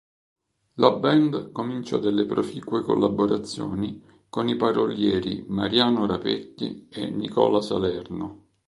La band comincia delle proficue collaborazioni con i parolieri Mariano Rapetti e Nicola Salerno.